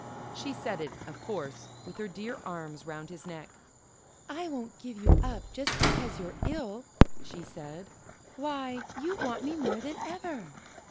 She said it, of course, with her dear arms round his neck. "I won't give you up just because you're ill," she said; "why, you want me more than ever!"